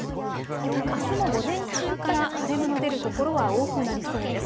あすも午前中から晴れ間の出る所は多くなりそうです。